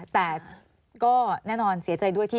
แต่ก็แน่นอนเสียใจด้วยที่